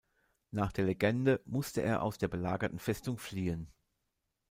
Nach der Legende musste er aus der belagerten Festung fliehen.